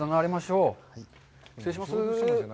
失礼します。